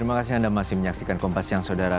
terima kasih anda masih menyaksikan kompas siang saudara